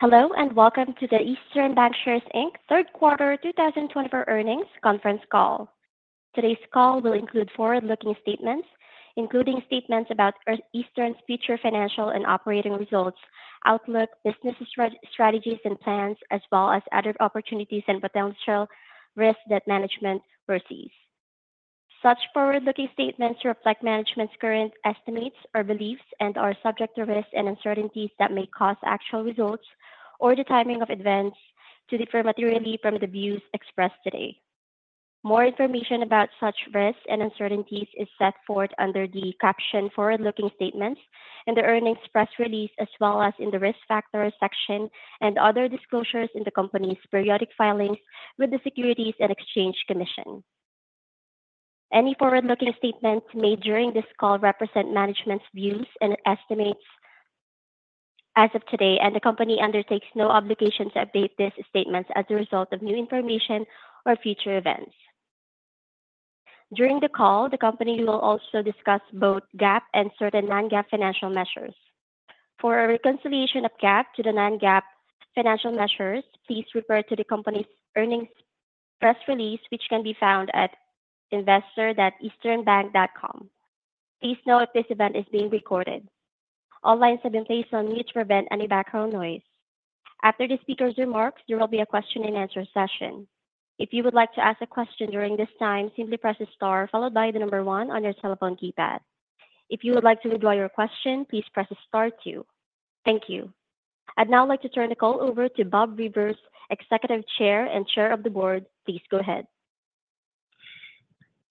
Hello, and welcome to the Eastern Bankshares, Inc. third quarter 2024 earnings conference call. Today's call will include forward-looking statements, including statements about Eastern's future financial and operating results, outlook, business strategies and plans, as well as other opportunities and potential risks that management foresees. Such forward-looking statements reflect management's current estimates or beliefs and are subject to risks and uncertainties that may cause actual results or the timing of events to differ materially from the views expressed today. More information about such risks and uncertainties is set forth under the caption Forward-Looking Statements in the earnings press release, as well as in the Risk Factors section and other disclosures in the company's periodic filings with the Securities and Exchange Commission. Any forward-looking statements made during this call represent management's views and estimates as of today, and the company undertakes no obligation to update these statements as a result of new information or future events. During the call, the company will also discuss both GAAP and certain non-GAAP financial measures. For a reconciliation of GAAP to the non-GAAP financial measures, please refer to the company's earnings press release, which can be found at investor.easternbank.com. Please note, this event is being recorded. All lines have been placed on mute to prevent any background noise. After the speakers' remarks, there will be a question and answer session. If you would like to ask a question during this time, simply press star followed by the number one on your telephone keypad. If you would like to withdraw your question, please press star two. Thank you. I'd now like to turn the call over to Bob Rivers, Executive Chair and Chair of the Board. Please go ahead.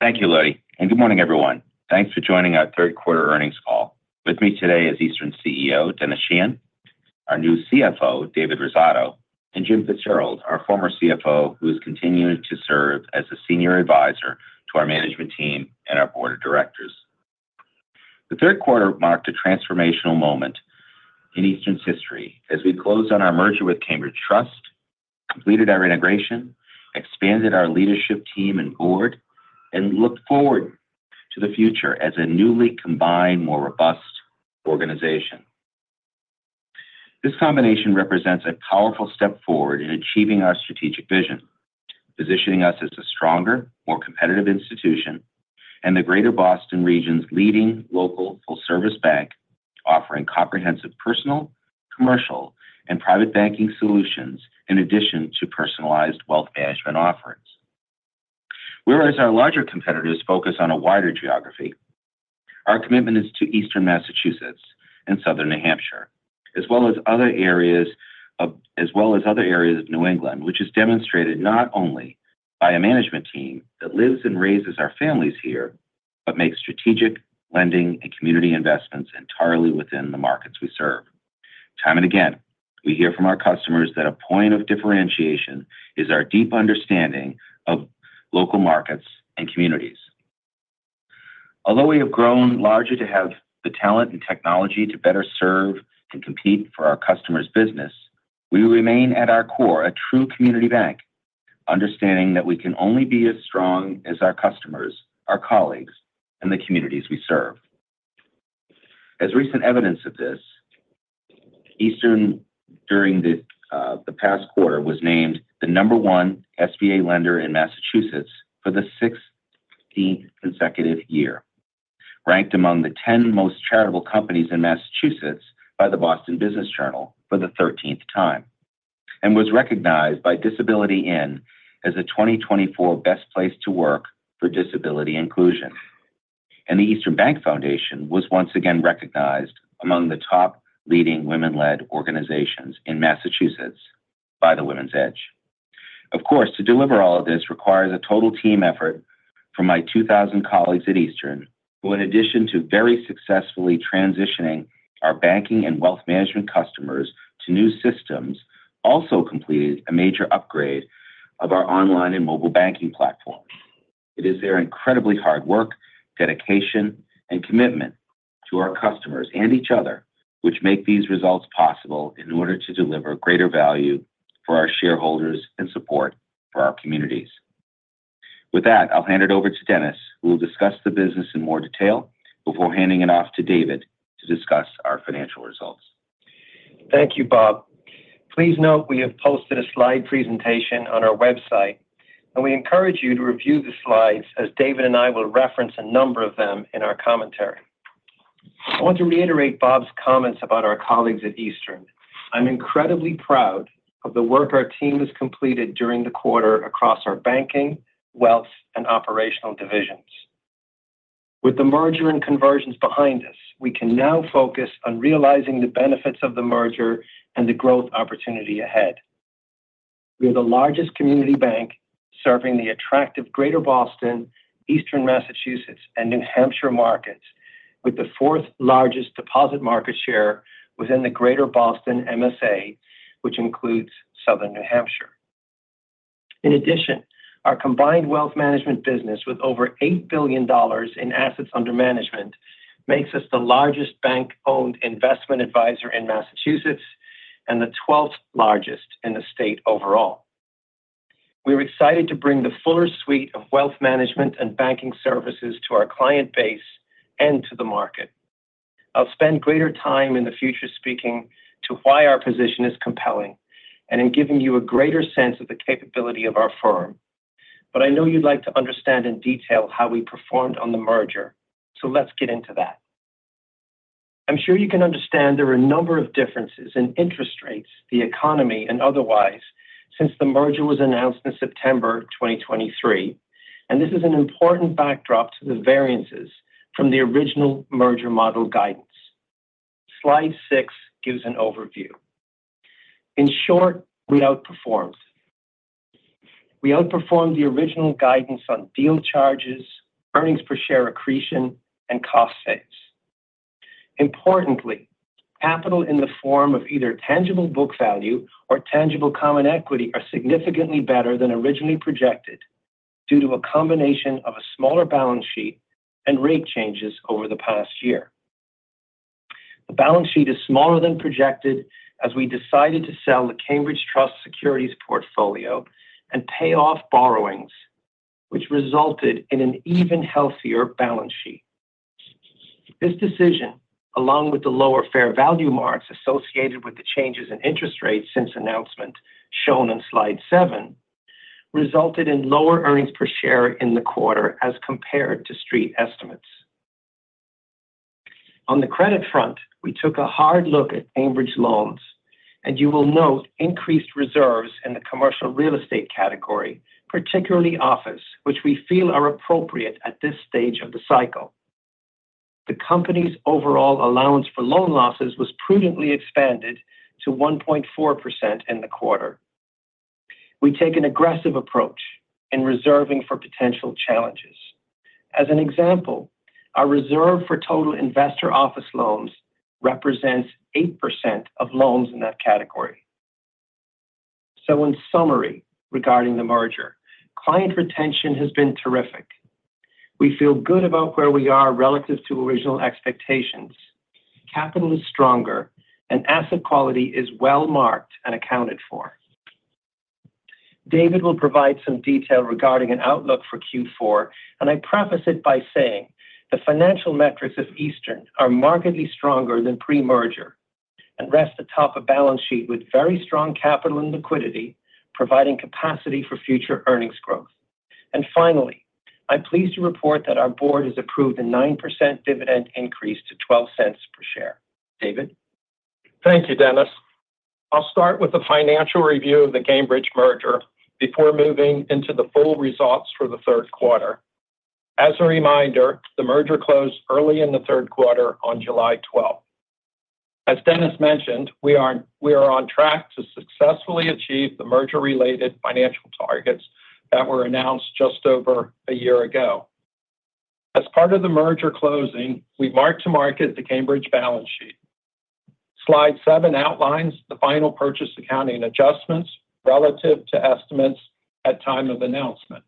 Thank you, Lottie, and good morning, everyone. Thanks for joining our third quarter earnings call. With me today is Eastern's CEO, Denis Sheahan, our new CFO, David Rosato, and Jim Fitzgerald, our former CFO, who has continued to serve as a senior advisor to our management team and our board of directors. The third quarter marked a transformational moment in Eastern's history as we closed on our merger with Cambridge Trust, completed our integration, expanded our leadership team and board, and looked forward to the future as a newly combined, more robust organization. This combination represents a powerful step forward in achieving our strategic vision, positioning us as a stronger, more competitive institution in the Greater Boston region's leading local full-service bank, offering comprehensive personal, commercial, and private banking solutions, in addition to personalized wealth management offerings. Whereas our larger competitors focus on a wider geography, our commitment is to Eastern Massachusetts and Southern New Hampshire, as well as other areas of New England, which is demonstrated not only by a management team that lives and raises our families here, but makes strategic lending and community investments entirely within the markets we serve. Time and again, we hear from our customers that a point of differentiation is our deep understanding of local markets and communities. Although we have grown larger to have the talent and technology to better serve and compete for our customers' business, we remain at our core, a true community bank, understanding that we can only be as strong as our customers, our colleagues, and the communities we serve. As recent evidence of this, Eastern, during the past quarter, was named the number one SBA lender in Massachusetts for the 16th consecutive year. Ranked among the 10 most charitable companies in Massachusetts by the Boston Business Journal for the 13th time, and was recognized by Disability:IN as a 2024 Best Place to Work for Disability Inclusion. And the Eastern Bank Foundation was once again recognized among the top leading women-led organizations in Massachusetts by the Women's Edge. Of course, to deliver all of this requires a total team effort from my 2,000 colleagues at Eastern, who in addition to very successfully transitioning our banking and wealth management customers to new systems, also completed a major upgrade of our online and mobile banking platform. It is their incredibly hard work, dedication, and commitment to our customers and each other which make these results possible in order to deliver greater value for our shareholders and support for our communities. With that, I'll hand it over to Denis, who will discuss the business in more detail before handing it off to David to discuss our financial results. Thank you, Bob. Please note, we have posted a slide presentation on our website, and we encourage you to review the slides as David and I will reference a number of them in our commentary. I want to reiterate Bob's comments about our colleagues at Eastern. I'm incredibly proud of the work our team has completed during the quarter across our banking, wealth, and operational divisions. With the merger and conversions behind us, we can now focus on realizing the benefits of the merger and the growth opportunity ahead. We are the largest community bank serving the attractive Greater Boston, Eastern Massachusetts, and New Hampshire markets, with the fourth largest deposit market share within the Greater Boston MSA, which includes Southern New Hampshire. In addition, our combined wealth management business, with over $8 billion in assets under management, makes us the largest bank-owned investment advisor in Massachusetts and the twelfth largest in the state overall.... decided to bring the fuller suite of wealth management and banking services to our client base and to the market. I'll spend greater time in the future speaking to why our position is compelling and in giving you a greater sense of the capability of our firm. But I know you'd like to understand in detail how we performed on the merger. So let's get into that. I'm sure you can understand there are a number of differences in interest rates, the economy, and otherwise, since the merger was announced in September 2023, and this is an important backdrop to the variances from the original merger model guidance. Slide six gives an overview. In short, we outperformed. We outperformed the original guidance on deal charges, earnings per share accretion, and cost saves. Importantly, capital in the form of either tangible book value or tangible common equity are significantly better than originally projected due to a combination of a smaller balance sheet and rate changes over the past year. The balance sheet is smaller than projected as we decided to sell the Cambridge Trust securities portfolio and pay off borrowings, which resulted in an even healthier balance sheet. This decision, along with the lower fair value marks associated with the changes in interest rates since announcement, shown in slide seven, resulted in lower earnings per share in the quarter as compared to Street estimates. On the credit front, we took a hard look at Cambridge loans, and you will note increased reserves in the commercial real estate category, particularly office, which we feel are appropriate at this stage of the cycle. The company's overall allowance for loan losses was prudently expanded to 1.4% in the quarter. We take an aggressive approach in reserving for potential challenges. As an example, our reserve for total investor office loans represents 8% of loans in that category. So in summary, regarding the merger, client retention has been terrific. We feel good about where we are relative to original expectations. Capital is stronger, and asset quality is well marked and accounted for. David will provide some detail regarding an outlook for Q4, and I preface it by saying, the financial metrics of Eastern are markedly stronger than pre-merger and rest atop a balance sheet with very strong capital and liquidity, providing capacity for future earnings growth, and finally, I'm pleased to report that our board has approved a 9% dividend increase to $0.12 per share. David? Thank you, Denis. I'll start with the financial review of the Cambridge merger before moving into the full results for the third quarter. As a reminder, the merger closed early in the third quarter on July twelfth. As Denis mentioned, we are on track to successfully achieve the merger-related financial targets that were announced just over a year ago. As part of the merger closing, we marked to market the Cambridge balance sheet. Slide seven outlines the final purchase accounting adjustments relative to estimates at time of announcement.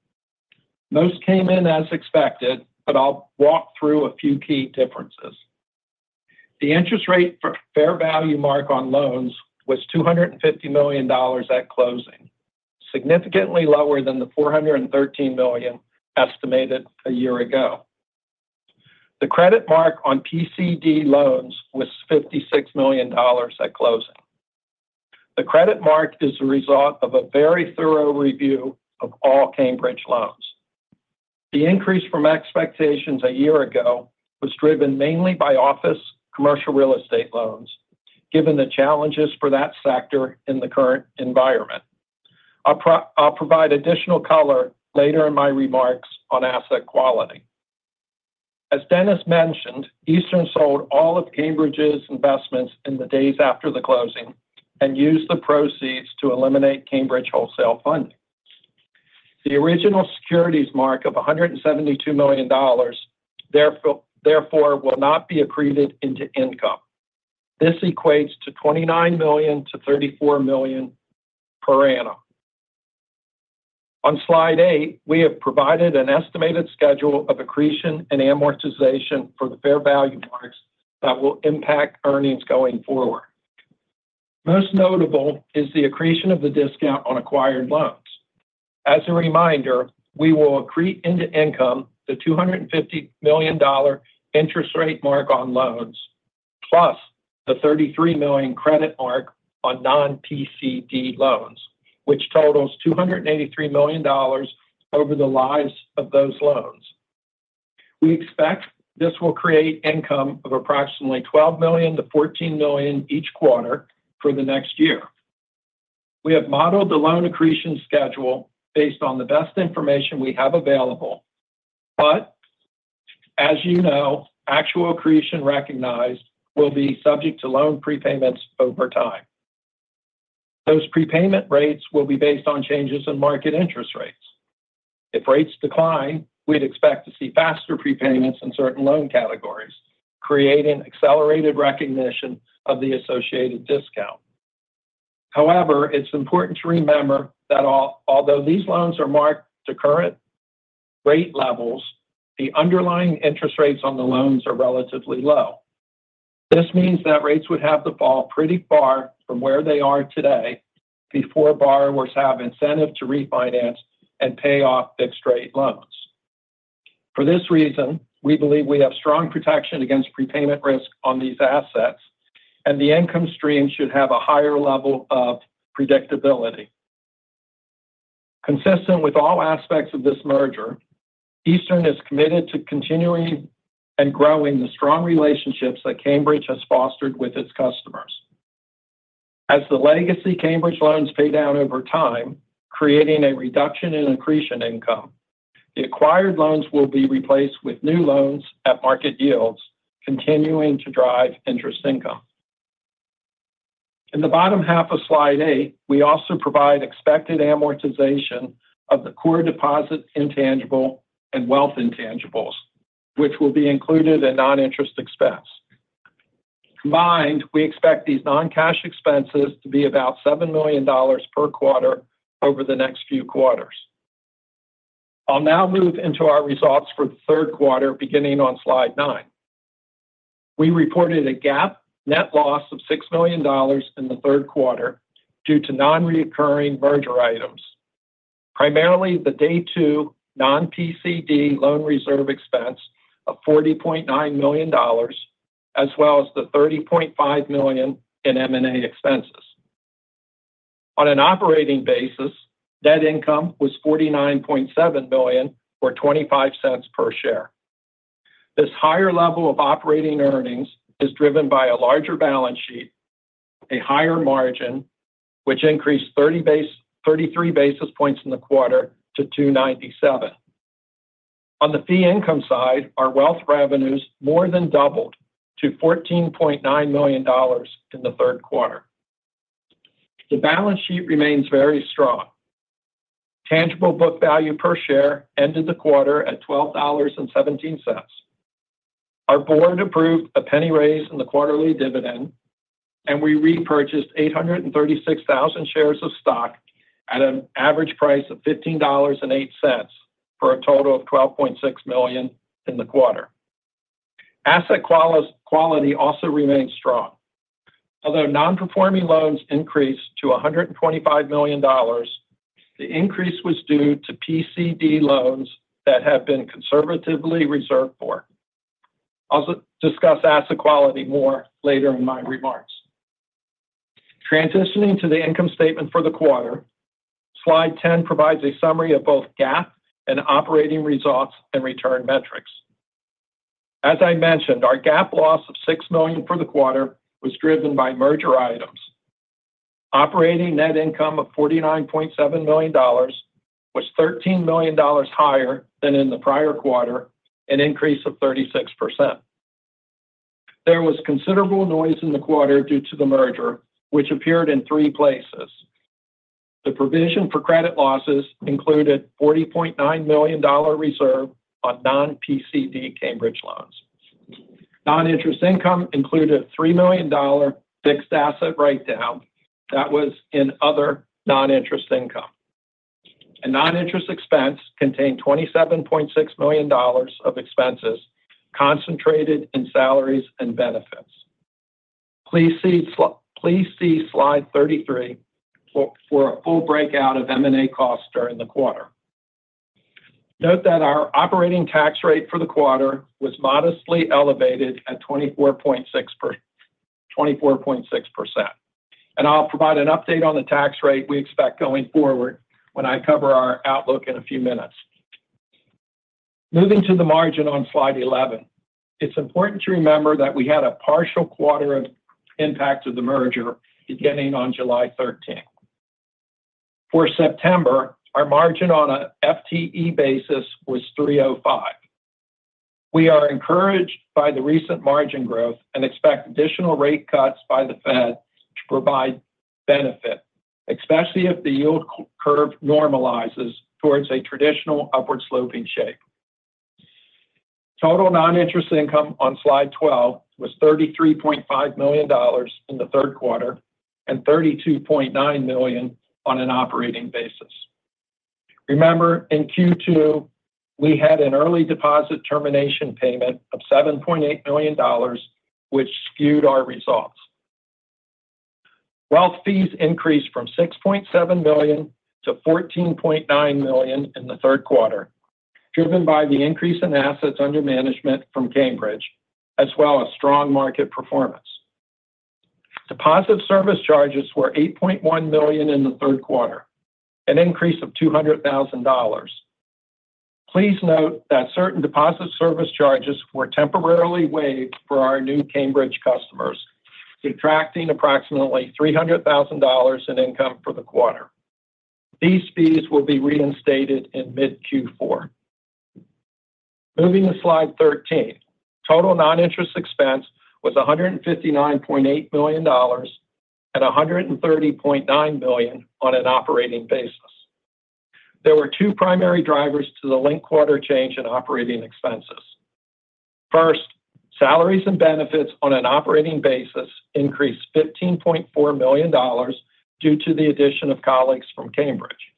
Most came in as expected, but I'll walk through a few key differences. The interest rate for fair value mark on loans was $250 million at closing, significantly lower than the $413 million estimated a year ago. The credit mark on PCD loans was $56 million at closing. The credit mark is a result of a very thorough review of all Cambridge loans. The increase from expectations a year ago was driven mainly by office commercial real estate loans, given the challenges for that sector in the current environment. I'll provide additional color later in my remarks on asset quality. As Denis mentioned, Eastern sold all of Cambridge's investments in the days after the closing and used the proceeds to eliminate Cambridge wholesale funding. The original securities mark of $172 million, therefore, will not be accreted into income. This equates to $29 million-$34 million per annum. On slide 8, we have provided an estimated schedule of accretion and amortization for the fair value marks that will impact earnings going forward. Most notable is the accretion of the discount on acquired loans. As a reminder, we will accrete into income the $250 million interest rate mark on loans, plus the $33 million credit mark on non-PCD loans, which totals $283 million over the lives of those loans. We expect this will create income of approximately $12 million-$14 million each quarter for the next year. We have modeled the loan accretion schedule based on the best information we have available, but as you know, actual accretion recognized will be subject to loan prepayments over time. Those prepayment rates will be based on changes in market interest rates. If rates decline, we'd expect to see faster prepayments in certain loan categories, creating accelerated recognition of the associated discount. However, it's important to remember that although these loans are marked to current rate levels, the underlying interest rates on the loans are relatively low. This means that rates would have to fall pretty far from where they are today before borrowers have incentive to refinance and pay off fixed-rate loans. For this reason, we believe we have strong protection against prepayment risk on these assets, and the income stream should have a higher level of predictability. Consistent with all aspects of this merger, Eastern is committed to continuing and growing the strong relationships that Cambridge has fostered with its customers. As the legacy Cambridge loans pay down over time, creating a reduction in accretion income, the acquired loans will be replaced with new loans at market yields, continuing to drive interest income. In the bottom half of slide eight, we also provide expected amortization of the core deposit intangible and wealth intangibles, which will be included in non-interest expense. Combined, we expect these non-cash expenses to be about $7 million per quarter over the next few quarters. I'll now move into our results for the third quarter, beginning on slide 9. We reported a GAAP net loss of $6 million in the third quarter due to nonrecurring merger items, primarily the day two non-PCD loan reserve expense of $40.9 million, as well as the $30.5 million in M&A expenses. On an operating basis, net income was $49.7 million, or $0.25 per share. This higher level of operating earnings is driven by a larger balance sheet, a higher margin, which increased thirty-three basis points in the quarter to 2.97%. On the fee income side, our wealth revenues more than doubled to $14.9 million in the third quarter. The balance sheet remains very strong. Tangible book value per share ended the quarter at $12.17. Our board approved a penny raise in the quarterly dividend, and we repurchased 836,000 shares of stock at an average price of $15.08, for a total of $12.6 million in the quarter. Asset quality also remains strong. Although non-performing loans increased to $125 million, the increase was due to PCD loans that have been conservatively reserved for. I'll discuss asset quality more later in my remarks. Transitioning to the income statement for the quarter, slide ten provides a summary of both GAAP and operating results and return metrics. As I mentioned, our GAAP loss of $6 million for the quarter was driven by merger items. Operating net income of $49.7 million was $13 million higher than in the prior quarter, an increase of 36%. There was considerable noise in the quarter due to the merger, which appeared in three places. The provision for credit losses included $40.9 million reserve on non-PCD Cambridge loans. Non-interest income included a $3 million fixed asset write-down that was in other non-interest income. Non-interest expense contained $27.6 million of expenses concentrated in salaries and benefits. Please see slide 33 for a full breakout of M&A costs during the quarter. Note that our operating tax rate for the quarter was modestly elevated at 24.6%, and I'll provide an update on the tax rate we expect going forward when I cover our outlook in a few minutes. Moving to the margin on slide 11, it's important to remember that we had a partial quarter of impact of the merger beginning on July thirteenth. For September, our margin on a FTE basis was 305. We are encouraged by the recent margin growth and expect additional rate cuts by the Fed to provide benefit, especially if the yield curve normalizes towards a traditional upward-sloping shape. Total non-interest income on slide 12 was $33.5 million in the third quarter and $32.9 million on an operating basis. Remember, in Q2, we had an early deposit termination payment of $7.8 million, which skewed our results. Wealth fees increased from $6.7 million to $14.9 million in the third quarter, driven by the increase in assets under management from Cambridge, as well as strong market performance. Deposit service charges were $8.1 million in the third quarter, an increase of $200,000. Please note that certain deposit service charges were temporarily waived for our new Cambridge customers, subtracting approximately $300,000 in income for the quarter. These fees will be reinstated in mid-Q4. Moving to slide 13. Total non-interest expense was $159.8 million at $130.9 million on an operating basis. There were two primary drivers to the linked quarter change in operating expenses. First, salaries and benefits on an operating basis increased $15.4 million due to the addition of colleagues from Cambridge.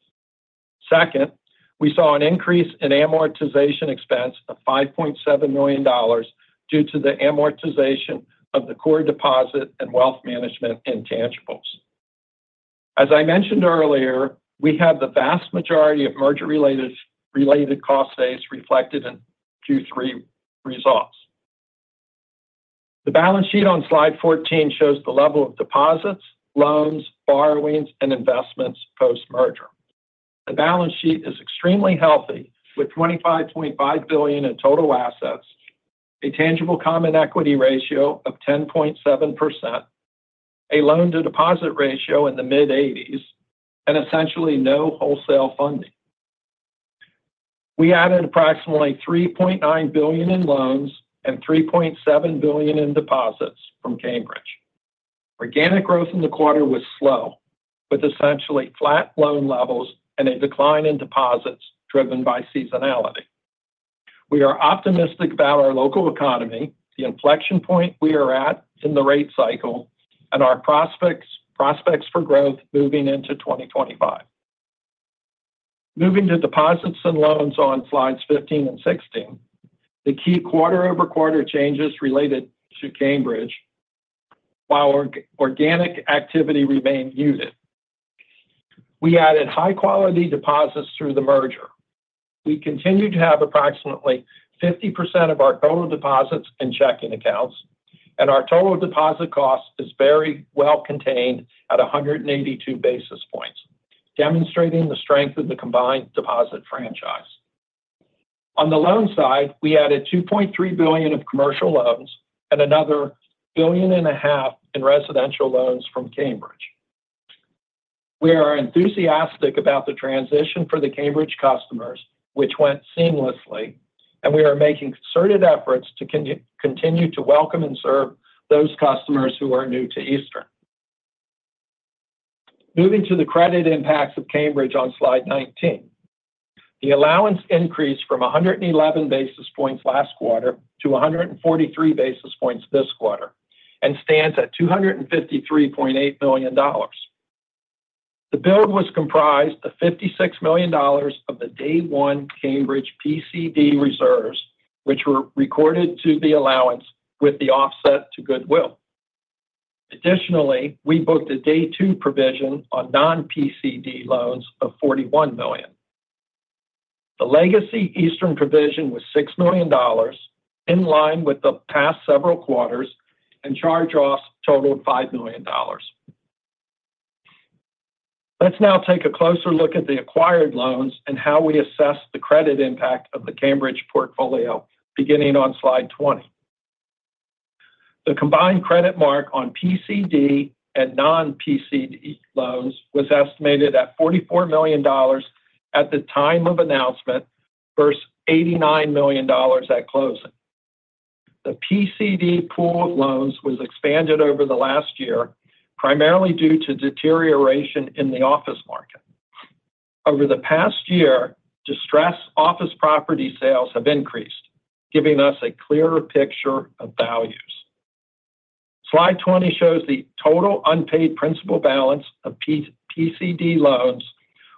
Second, we saw an increase in amortization expense of $5.7 million due to the amortization of the core deposit and wealth management intangibles. As I mentioned earlier, we have the vast majority of merger-related cost base reflected in Q3 results. The balance sheet on slide 14 shows the level of deposits, loans, borrowings, and investments post-merger. The balance sheet is extremely healthy, with $25.5 billion in total assets, a tangible common equity ratio of 10.7%, a loan-to-deposit ratio in the mid-80s, and essentially no wholesale funding. We added approximately $3.9 billion in loans and $3.7 billion in deposits from Cambridge. Organic growth in the quarter was slow, with essentially flat loan levels and a decline in deposits driven by seasonality. We are optimistic about our local economy, the inflection point we are at in the rate cycle, and our prospects for growth moving into 2025. Moving to deposits and loans on slides 15 and 16, the key quarter-over-quarter changes related to Cambridge, while organic activity remained muted. We added high-quality deposits through the merger. We continued to have approximately 50% of our total deposits in checking accounts, and our total deposit cost is very well contained at 182 basis points, demonstrating the strength of the combined deposit franchise. On the loan side, we added $2.3 billion of commercial loans and another $1.5 billion in residential loans from Cambridge. We are enthusiastic about the transition for the Cambridge customers, which went seamlessly, and we are making concerted efforts to continue to welcome and serve those customers who are new to Eastern. Moving to the credit impacts of Cambridge on slide 19. The allowance increased from 111 basis points last quarter to 143 basis points this quarter and stands at $253.8 million. The build was comprised of $56 million of the day one Cambridge PCD reserves, which were recorded to the allowance with the offset to goodwill. Additionally, we booked a day two provision on non-PCD loans of $41 million. The legacy Eastern provision was $6 million, in line with the past several quarters, and charge-offs totaled $5 million. Let's now take a closer look at the acquired loans and how we assess the credit impact of the Cambridge portfolio, beginning on slide 20. The combined credit mark on PCD and non-PCD loans was estimated at $44 million at the time of announcement, versus $89 million at closing. The PCD pool of loans was expanded over the last year, primarily due to deterioration in the office market. Over the past year, distressed office property sales have increased, giving us a clearer picture of values. Slide 20 shows the total unpaid principal balance of PCD loans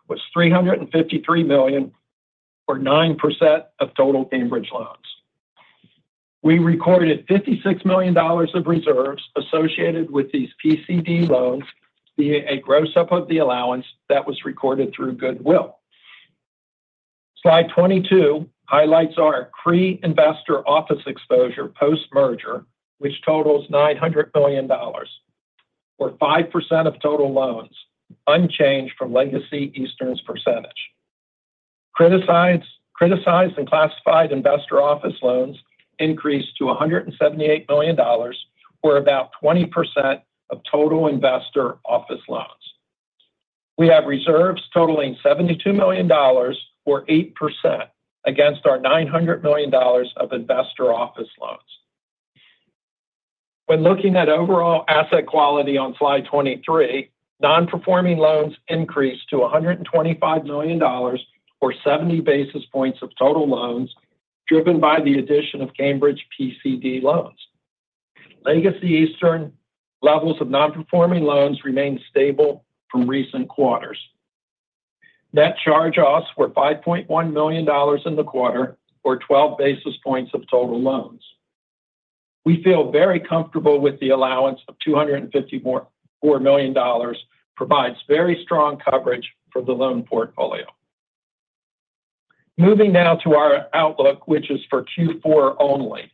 was $353 million, or 9% of total Cambridge loans. We recorded $56 million of reserves associated with these PCD loans, via a gross-up of the allowance that was recorded through goodwill. Slide 22 highlights our investor office exposure post-merger, which totals $900 million, or 5% of total loans, unchanged from legacy Eastern's percentage. Criticized and classified investor office loans increased to $178 million, or about 20% of total investor office loans. We have reserves totaling $72 million, or 8%, against our $900 million of investor office loans. When looking at overall asset quality on slide 23, non-performing loans increased to $125 million or 70 basis points of total loans, driven by the addition of Cambridge PCD loans. Legacy Eastern levels of non-performing loans remained stable from recent quarters. Net charge-offs were $5.1 million in the quarter or 12 basis points of total loans. We feel very comfortable with the allowance of $254.4 million, which provides very strong coverage for the loan portfolio. Moving now to our outlook, which is for Q4 only.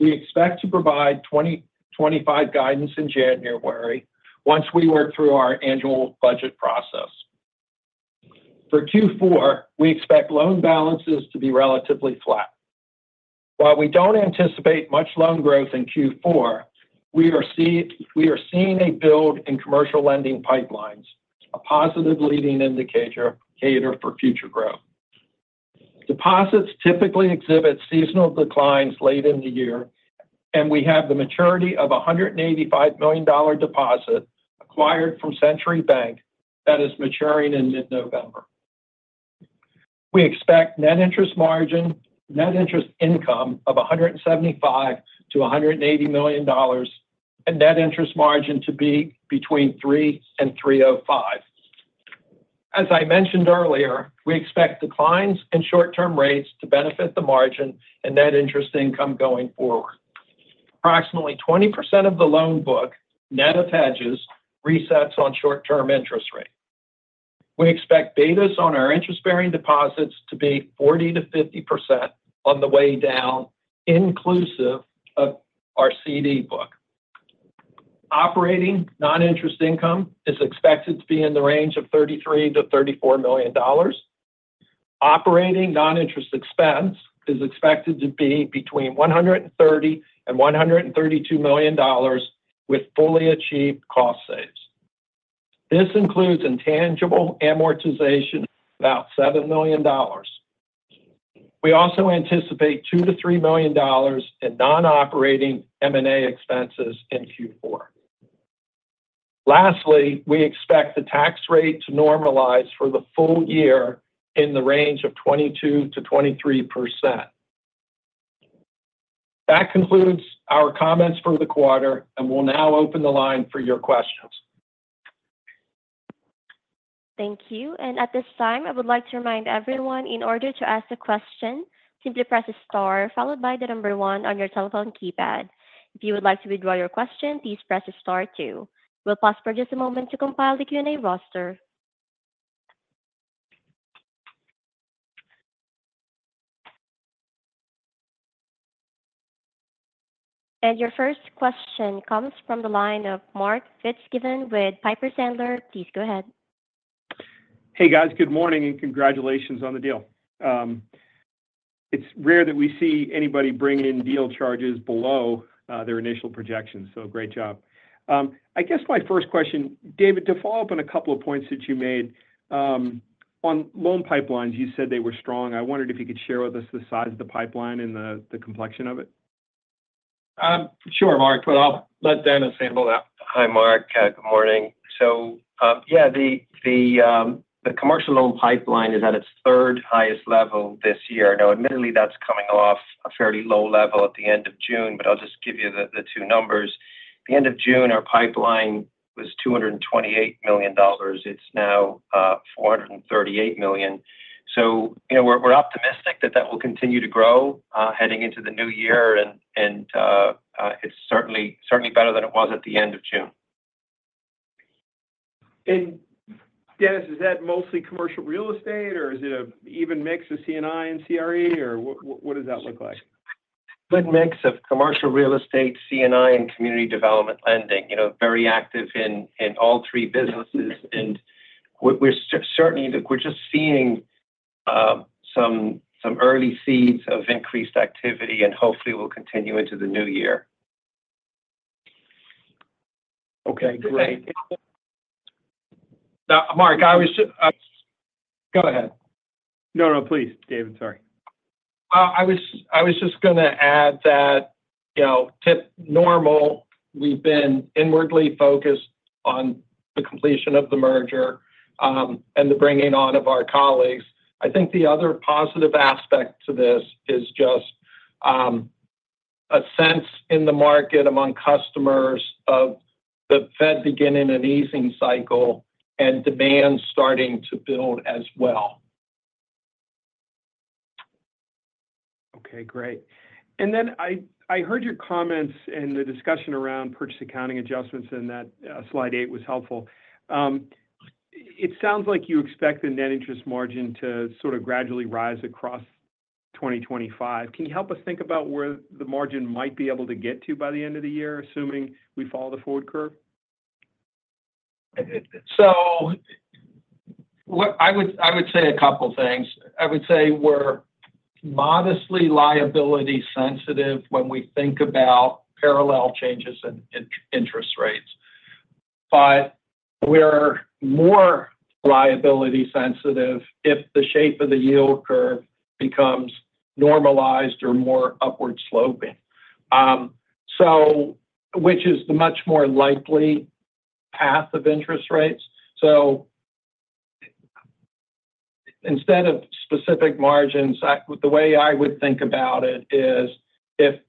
We expect to provide 2025 guidance in January once we work through our annual budget process. For Q4, we expect loan balances to be relatively flat. While we don't anticipate much loan growth in Q4, we are seeing a build in commercial lending pipelines, a positive leading indicator for future growth. Deposits typically exhibit seasonal declines late in the year, and we have the maturity of a $185 million deposit acquired from Century Bank that is maturing in mid-November. We expect net interest income of $175-$180 million, and net interest margin to be between 3% and 305 basis points. As I mentioned earlier, we expect declines in short-term rates to benefit the margin and net interest income going forward. Approximately 20% of the loan book, net of hedges, resets on short-term interest rate. We expect betas on our interest-bearing deposits to be 40%-50% on the way down, inclusive of our CD book. Operating non-interest income is expected to be in the range of $33 million-$34 million. Operating non-interest expense is expected to be between $130 million and $132 million with fully achieved cost saves. This includes intangible amortization, about $7 million. We also anticipate $2 million-$3 million in non-operating M&A expenses in Q4. Lastly, we expect the tax rate to normalize for the full year in the range of 22%-23%. That concludes our comments for the quarter, and we'll now open the line for your questions. Thank you. And at this time, I would like to remind everyone, in order to ask a question, simply press star followed by the number one on your telephone keypad. If you would like to withdraw your question, please press star two. We'll pause for just a moment to compile the Q&A roster. And your first question comes from the line of Mark Fitzgibbon with Piper Sandler. Please go ahead. Hey, guys. Good morning, and congratulations on the deal. It's rare that we see anybody bring in deal charges below their initial projections, so great job. I guess my first question, David, to follow up on a couple of points that you made, on loan pipelines, you said they were strong. I wondered if you could share with us the size of the pipeline and the complexion of it. Sure, Mark, but I'll let Denis handle that. Hi, Mark. Good morning. So, yeah, the commercial loan pipeline is at its third highest level this year. Now, admittedly, that's coming off a fairly low level at the end of June, but I'll just give you the two numbers. The end of June, our pipeline was $228 million. It's now $438 million. So, you know, we're optimistic that that will continue to grow heading into the new year, and it's certainly better than it was at the end of June. Denis, is that mostly commercial real estate, or is it an even mix of C&I and CRE, or what does that look like? Good mix of commercial real estate, C&I, and community development lending. You know, very active in all three businesses, and we're certainly. Look, we're just seeing some early seeds of increased activity, and hopefully will continue into the new year. Okay, great. Now, Mark, I was just... go ahead. No, no, please, David. Sorry. I was just gonna add that, you know, tip normal, we've been inwardly focused on the completion of the merger and the bringing on of our colleagues. I think the other positive aspect to this is just a sense in the market among customers of the Fed beginning an easing cycle and demand starting to build as well. Okay, great. And then I heard your comments and the discussion around purchase accounting adjustments, and that slide eight was helpful. It sounds like you expect the net interest margin to sort of gradually rise across 2025. Can you help us think about where the margin might be able to get to by the end of the year, assuming we follow the forward curve? So I would say a couple of things. I would say we're modestly liability sensitive when we think about parallel changes in interest rates. But we're more liability sensitive if the shape of the yield curve becomes normalized or more upward sloping, which is the much more likely path of interest rates. So instead of specific margins, the way I would think about it is if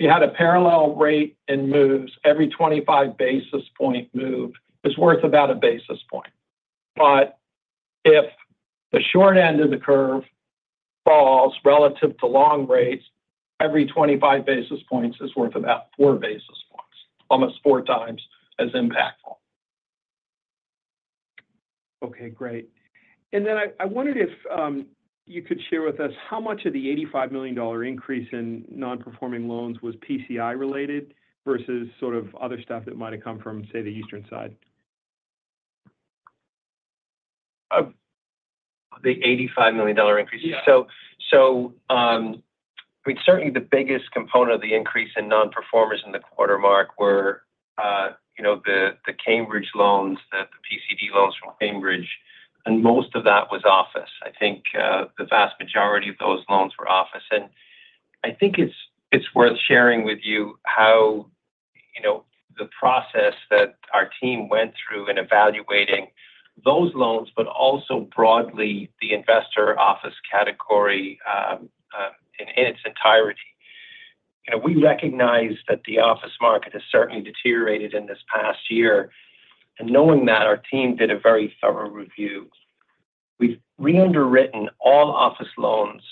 you had a parallel rate and moves, every 25 basis point move is worth about a basis point. But if the short end of the curve falls relative to long rates, every 25 basis points is worth about four basis points, almost four times as impactful. Okay, great. And then I, I wondered if you could share with us how much of the $85 million increase in non-performing loans was PCD related versus sort of other stuff that might have come from, say, the eastern side? Of the $85 million increase? Yeah. So, I mean, certainly the biggest component of the increase in nonperformers in the quarter, Mark, were, you know, the Cambridge loans, the PCD loans from Cambridge, and most of that was office. I think, the vast majority of those loans were office. And I think it's, it's worth sharing with you how, you know, the process that our team went through in evaluating those loans, but also broadly the investor office category, in its entirety. You know, we recognize that the office market has certainly deteriorated in this past year, and knowing that, our team did a very thorough review. We've re-underwritten all office loans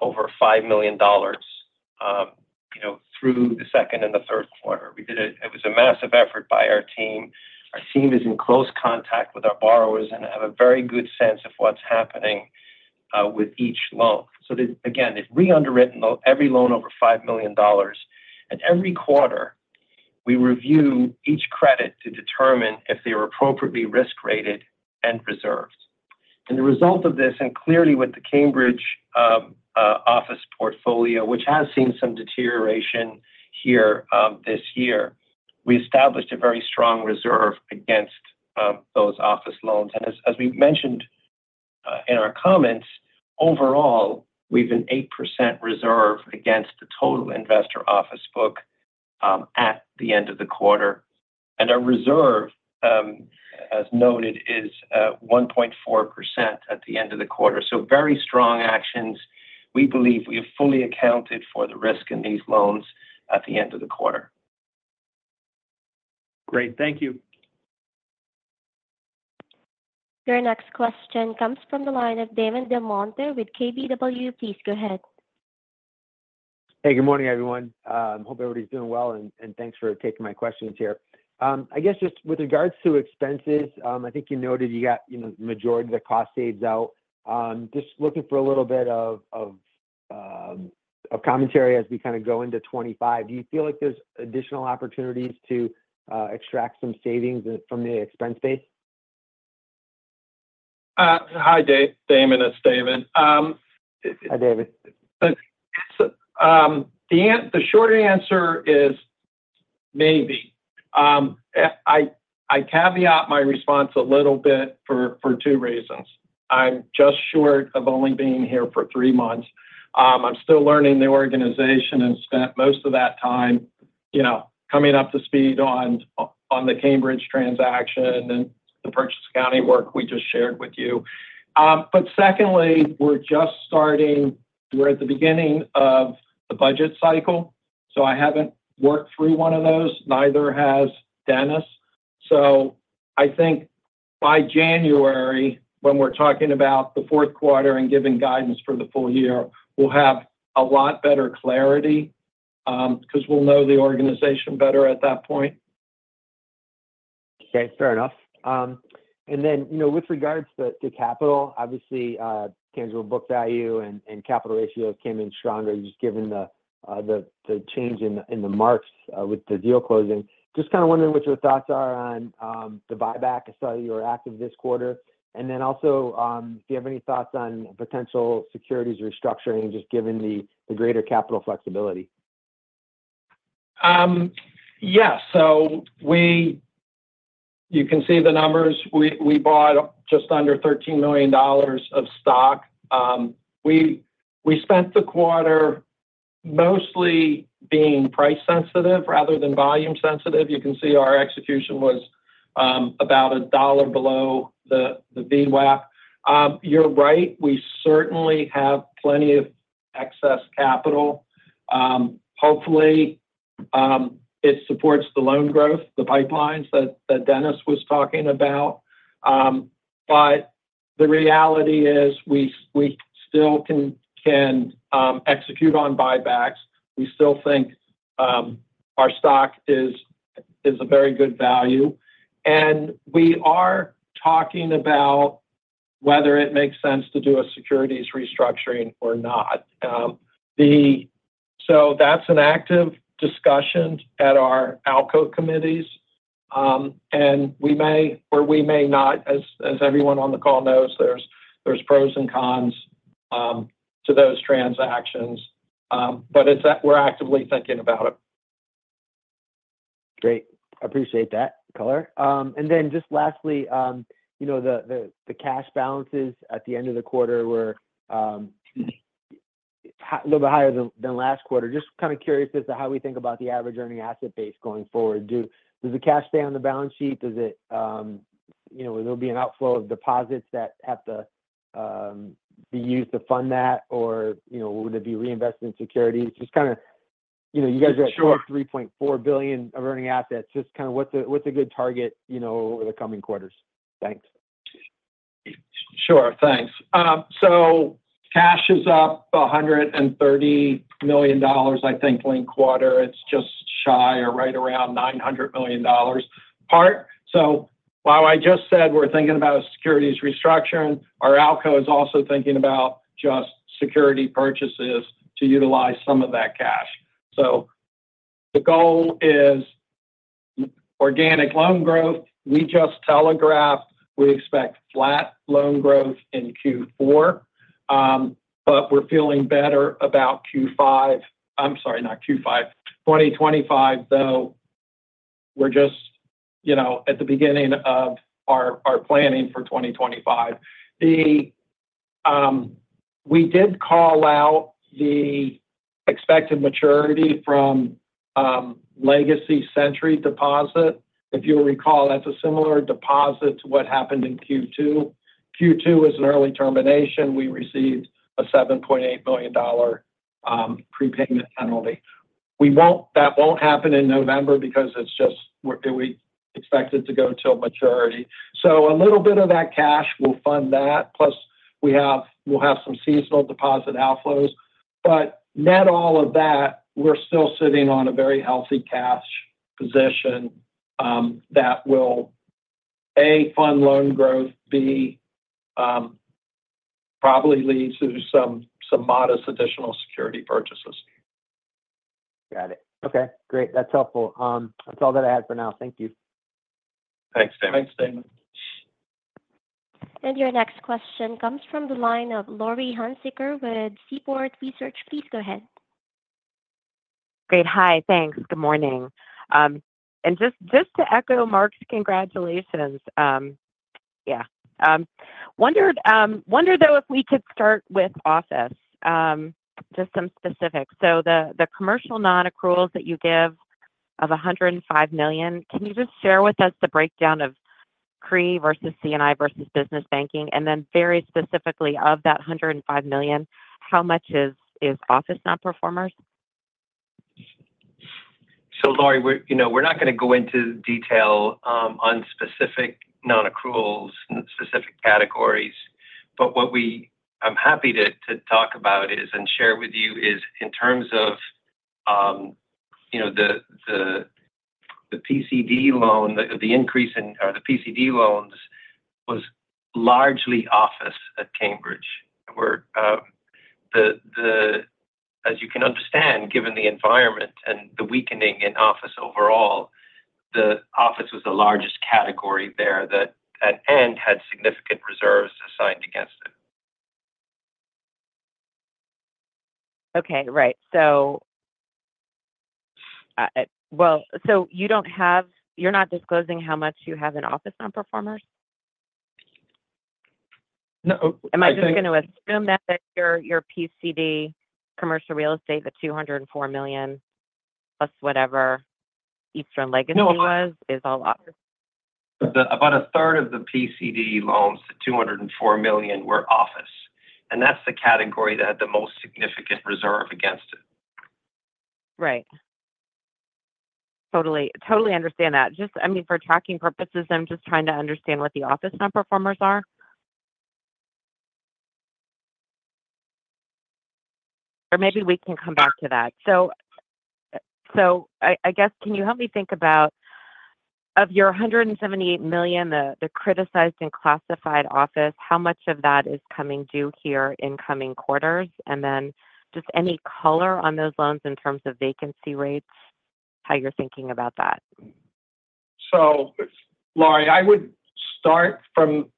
over $5 million, you know, through the second and the third quarter. We did. It was a massive effort by our team. Our team is in close contact with our borrowers and have a very good sense of what's happening with each loan. Again, it's re-underwritten every loan over $5 million, and every quarter we review each credit to determine if they are appropriately risk-rated and reserved. The result of this, and clearly with the Cambridge office portfolio, which has seen some deterioration here this year, we established a very strong reserve against those office loans. As we mentioned in our comments, overall, we've an 8% reserve against the total investor office book at the end of the quarter. Our reserve, as noted, is 1.4% at the end of the quarter. Very strong actions. We believe we have fully accounted for the risk in these loans at the end of the quarter. Great. Thank you. Your next question comes from the line of Damon Del Monte with KBW. Please go ahead. Hey, good morning, everyone. Hope everybody's doing well, and thanks for taking my questions here. I guess just with regards to expenses, I think you noted you got, you know, the majority of the cost saves out. Just looking for a little bit of commentary as we kind of go into twenty-five. Do you feel like there's additional opportunities to extract some savings from the expense base? Hi, Dave. Damon, it's Damon, Hi, David. So, the short answer is maybe. I caveat my response a little bit for two reasons. I'm just short of only being here for three months. I'm still learning the organization and spent most of that time, you know, coming up to speed on the Cambridge transaction and the purchase accounting work we just shared with you. But secondly, we're just starting. We're at the beginning of the budget cycle, so I haven't worked through one of those, neither has Denis. So I think by January, when we're talking about the fourth quarter and giving guidance for the full year, we'll have a lot better clarity, because we'll know the organization better at that point. Okay, fair enough. And then, you know, with regards to capital, obviously, tangible book value and capital ratios came in stronger, just given the change in the marks with the deal closing. Just kind of wondering what your thoughts are on the buyback. I saw you were active this quarter. And then also, do you have any thoughts on potential securities restructuring, just given the greater capital flexibility? Yes. So you can see the numbers. We bought just under $13 million of stock. We spent the quarter mostly being price sensitive rather than volume sensitive. You can see our execution was about a dollar below the VWAP. You're right, we certainly have plenty of excess capital. Hopefully, it supports the loan growth, the pipelines that Denis was talking about. But the reality is we still can execute on buybacks. We still think our stock is a very good value, and we are talking about whether it makes sense to do a securities restructuring or not. So that's an active discussion at our ALCO committees, and we may or we may not. As everyone on the call knows, there's pros and cons to those transactions, but it's that we're actively thinking about it. Great. I appreciate that color, and then just lastly, you know, the cash balances at the end of the quarter were a little bit higher than last quarter. Just kind of curious as to how we think about the average earning asset base going forward. Does the cash stay on the balance sheet? Does it, you know, will there be an outflow of deposits that have to be used to fund that? Or, you know, would it be reinvested in securities? Just kind of, you know, you guys are- Sure... at $3.4 billion of earning assets. Just kind of what's a, what's a good target, you know, over the coming quarters? Thanks. Sure. Thanks. So cash is up $130 million. I think last quarter, it's just shy or right around $900 million part. So while I just said we're thinking about a securities restructuring, our ALCO is also thinking about just security purchases to utilize some of that cash. So the goal is organic loan growth. We just telegraphed. We expect flat loan growth in Q4, but we're feeling better about Q5. I'm sorry, not Q5, 2025, though, we're just, you know, at the beginning of our planning for 2025. We did call out the expected maturity from legacy Century deposit. If you'll recall, that's a similar deposit to what happened in Q2. Q2 was an early termination. We received a $7.8 million prepayment penalty. We won't. That won't happen in November because it's just we expect it to go till maturity. So a little bit of that cash will fund that, plus we'll have some seasonal deposit outflows. But net all of that, we're still sitting on a very healthy cash position that will, A, fund loan growth, B, probably lead to some modest additional security purchases. Got it. Okay, great. That's helpful. That's all that I had for now. Thank you. Thanks, Damon. Thanks, Damon. Your next question comes from the line of Laurie Hunsicker with Seaport Research Partners. Please go ahead. Great. Hi, thanks. Good morning, and just to echo Mark's congratulations, yeah. Wondered, though, if we could start with office, just some specifics. So the commercial non-accruals that you give of $105 million, can you just share with us the breakdown of CRE versus C&I versus business banking? And then very specifically, of that $105 million, how much is office non-performers? So Laurie, we're, you know, we're not going to go into detail on specific non-accruals and specific categories, but I'm happy to talk about is and share with you is in terms of, you know, the PCD loan, the increase in the PCD loans was largely office at Cambridge, where, as you can understand, given the environment and the weakening in office overall, the office was the largest category there that at end had significant reserves assigned against it. Okay, right. So, well, so you don't have-- you're not disclosing how much you have in office non-performers? No, I think- Am I just going to assume that your PCD commercial real estate, the $204 million, plus whatever Eastern legacy was, is all office? About a third of the PCD loans, the $204 million, were office, and that's the category that had the most significant reserve against it. Right. Totally, totally understand that. Just, I mean, for tracking purposes, I'm just trying to understand what the office non-performers are, or maybe we can come back to that, so, so I, I guess, can you help me think about of your $178 million, the, the criticized and classified office, how much of that is coming due here in coming quarters? And then just any color on those loans in terms of vacancy rates, how you're thinking about that. So Laurie, I would start from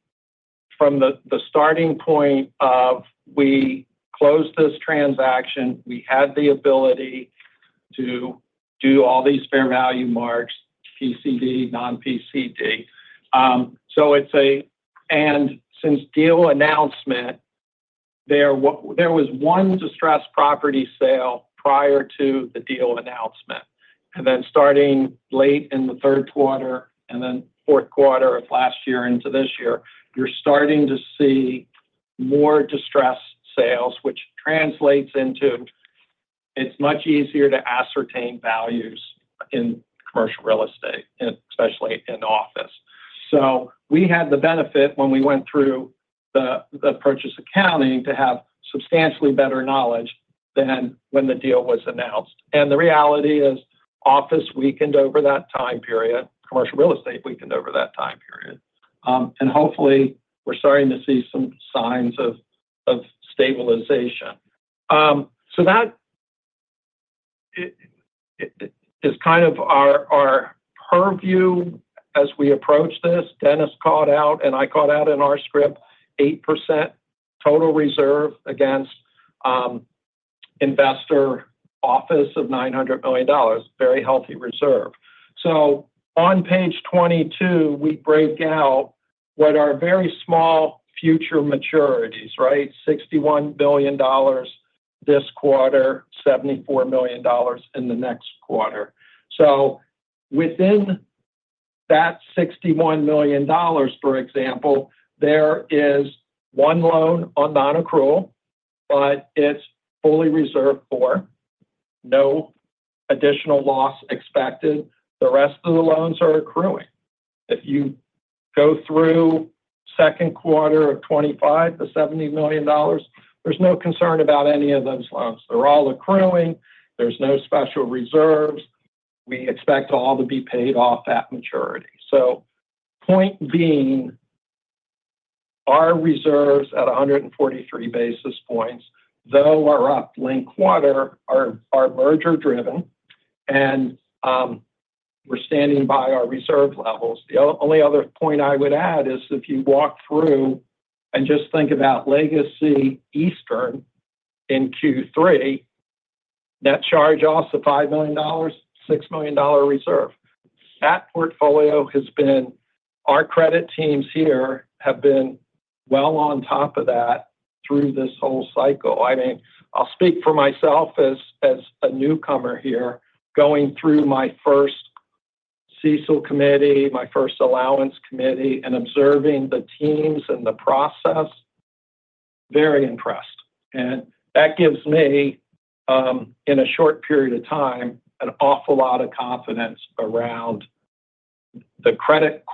the starting point of we closed this transaction. We had the ability to do all these fair value marks, PCD, non-PCD. So it's. And since deal announcement, there was one distressed property sale prior to the deal announcement, and then starting late in the third quarter and then fourth quarter of last year into this year, you're starting to see more distressed sales, which translates into it's much easier to ascertain values in commercial real estate, especially in office. So we had the benefit when we went through the purchase accounting to have substantially better knowledge than when the deal was announced. And the reality is office weakened over that time period, commercial real estate weakened over that time period. And hopefully, we're starting to see some signs of stabilization. So that is kind of our purview as we approach this. Denis called out, and I called out in our script, 8% total reserve against investor office loans of $900 million, very healthy reserve. So on page 22, we break out what are very small future maturities, right? $61 million this quarter, $74 million in the next quarter. So within that $61 million, for example, there is one loan on non-accrual, but it's fully reserved for no additional loss expected. The rest of the loans are accruing. If you go through second quarter of 2025, the $70 million, there's no concern about any of those loans. They're all accruing. There's no special reserves. We expect all to be paid off at maturity. Point being, our reserves at 143 basis points, though, are up linked quarter, are merger-driven, and we're standing by our reserve levels. The only other point I would add is if you walk through and just think about legacy Eastern in Q3. Net charge off $5 million, $6 million reserve. That portfolio has been. Our credit teams here have been well on top of that through this whole cycle. I mean, I'll speak for myself as a newcomer here, going through my first CECL committee, my first allowance committee, and observing the teams and the process, very impressed. That gives me, in a short period of time, an awful lot of confidence around the credit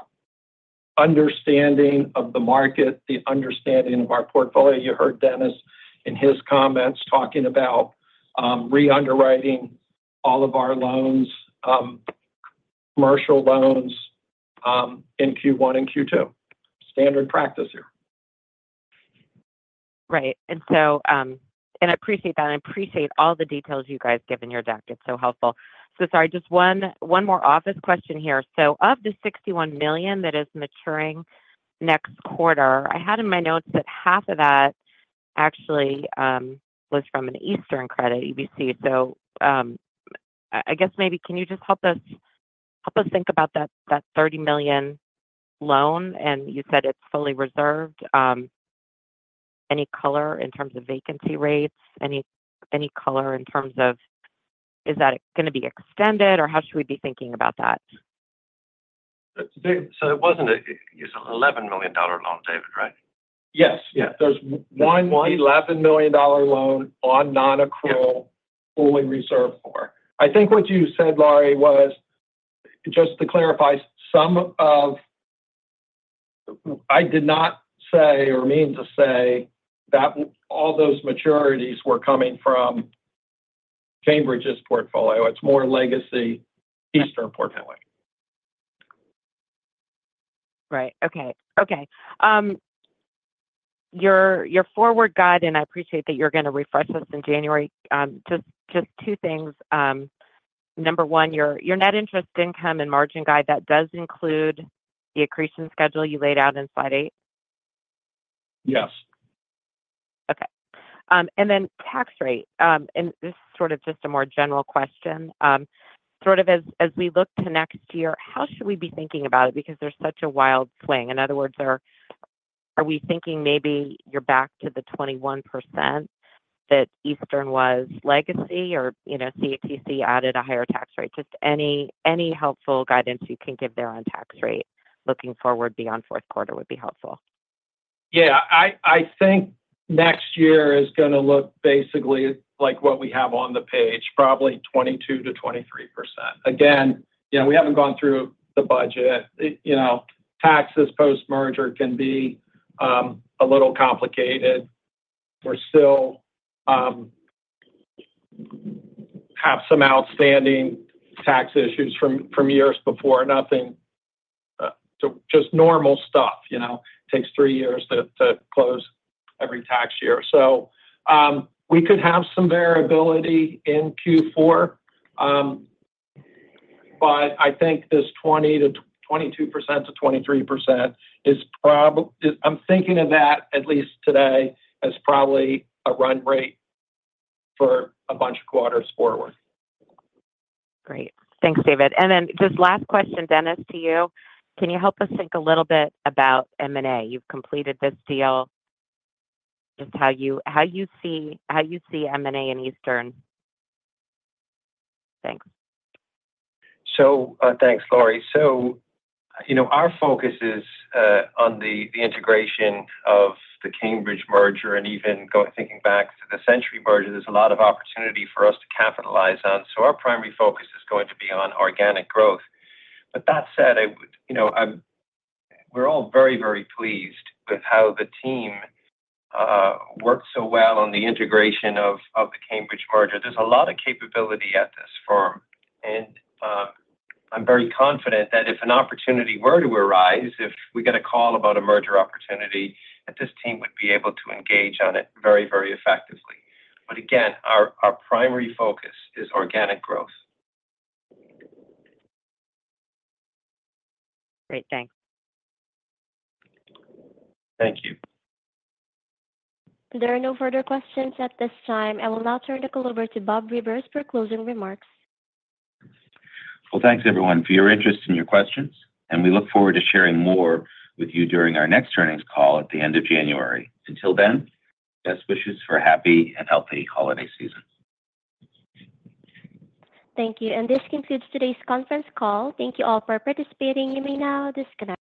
understanding of the market, the understanding of our portfolio. You heard Denis in his comments talking about re-underwriting all of our loans, commercial loans, in Q1 and Q2. Standard practice here. Right. And so, and I appreciate that, and I appreciate all the details you guys give in your deck. It's so helpful. So sorry, just one more office question here. So of the $61 million that is maturing next quarter, I had in my notes that half of that actually was from an Eastern credit EBC. So, I guess maybe can you just help us think about that $30 million loan, and you said it's fully reserved. Any color in terms of vacancy rates? Any color in terms of is that gonna be extended, or how should we be thinking about that? So it wasn't. It's $11 million loan, David, right? Yes. Yeah. There's a $111 million loan on nonaccrual. Yeah Fully reserved for. I think what you said, Laurie, was, just to clarify, I did not say or mean to say that all those maturities were coming from Cambridge's portfolio. It's more legacy Eastern portfolio. Right. Okay. Okay. Your forward guide, and I appreciate that you're gonna refresh us in January. Just two things. Number one, your net interest income and margin guide, that does include the accretion schedule you laid out in slide eight? Yes. Okay. And then tax rate, and this is sort of just a more general question. Sort of as we look to next year, how should we be thinking about it? Because there's such a wild swing. In other words, are we thinking maybe you're back to the 21% that Eastern was legacy or, you know, CATC added a higher tax rate? Just any helpful guidance you can give there on tax rate looking forward beyond fourth quarter would be helpful. Yeah, I think next year is gonna look basically like what we have on the page, probably 22%-23%. Again, you know, we haven't gone through the budget. It, you know, taxes post-merger can be a little complicated. We're still have some outstanding tax issues from years before. Nothing... So just normal stuff, you know. Takes three years to close every tax year. So, we could have some variability in Q4, but I think this 20% to 22% to 23% is prob-- I'm thinking of that, at least today, as probably a run rate for a bunch of quarters forward. Great. Thanks, David. And then just last question, Denis, to you. Can you help us think a little bit about M&A? You've completed this deal. Just how you see M&A in Eastern. Thanks. So, thanks, Laurie. You know, our focus is on the integration of the Cambridge merger, and even thinking back to the Century merger, there's a lot of opportunity for us to capitalize on. So our primary focus is going to be on organic growth. But that said, you know, we're all very, very pleased with how the team worked so well on the integration of the Cambridge merger. There's a lot of capability at this firm, and I'm very confident that if an opportunity were to arise, if we get a call about a merger opportunity, that this team would be able to engage on it very, very effectively. But again, our primary focus is organic growth. Great. Thanks. Thank you. There are no further questions at this time. I will now turn the call over to Bob Rivers for closing remarks. Thanks everyone for your interest and your questions, and we look forward to sharing more with you during our next earnings call at the end of January. Until then, best wishes for a happy and healthy holiday season. Thank you, and this concludes today's conference call. Thank you all for participating. You may now disconnect.